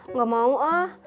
nggak mau ah